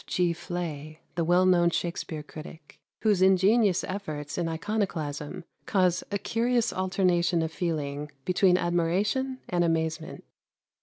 Fleay, the well known Shakspere critic, whose ingenious efforts in iconoclasm cause a curious alternation of feeling between admiration and amazement.